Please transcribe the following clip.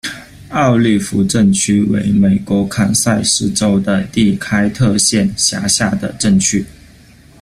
奥利夫镇区为美国堪萨斯州第开特县辖下的镇区。